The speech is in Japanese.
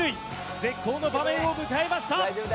絶好の場面を迎えました！